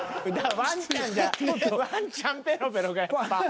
ワンちゃんペロペロがやっぱ。